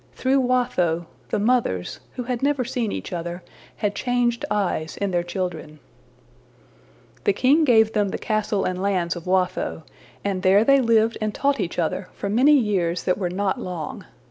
Through Watho, the mothers, who had never seen each other, had changed eyes in their children. The king gave them the castle and lands of Watho, and there they lived and taught each other for many years that were not long.